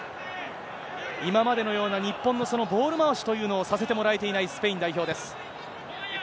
今までのような日本のボール回しというのをさせてもらえていない、スペイン代表です。